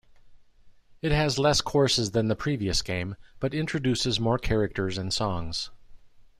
It has less courses then the previous game but introduces more characters and songs.